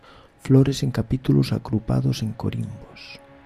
Flores en capítulos agrupados en corimbos.